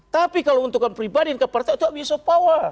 tapi kalau untuk pribadi dan ke partai itu abuse of power